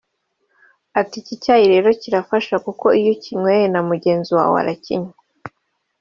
Ati “Iki cyayi rero kirafasha kuko iyo ukinyoye na mugenzi wawe akakinywa